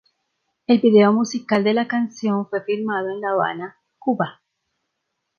El vídeo musical de la canción fue filmado en La Habana, Cuba.